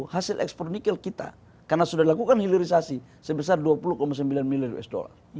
dua ribu dua puluh satu hasil ekspor nikel kita karena sudah dilakukan hilirisasi sebesar dua puluh sembilan miliar usd